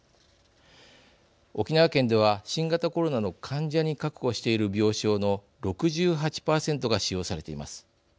沖縄県では新型コロナの患者に確保している病床の６８％が使用されています。